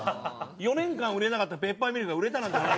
４年間売れなかったペッパーミルが売れたなんていう。